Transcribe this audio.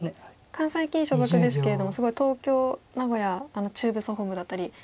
関西棋院所属ですけれどもすごい東京名古屋中部総本部だったり。